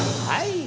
はい。